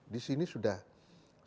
di sini sudah menunggu